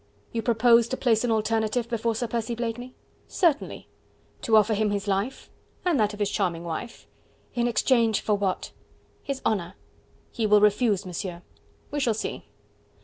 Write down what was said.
"You propose to place an alternative before Sir Percy Blakeney?" "Certainly." "To offer him his life?" "And that of his charming wife." "In exchange for what?" "His honour." "He will refuse, Monsieur." "We shall see."